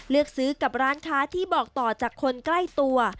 เลือกซื้อกับร้านค้าที่บอกต่อจากคนใกล้ตัว